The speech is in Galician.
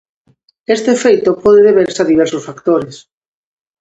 Este feito pode deberse a diversos factores.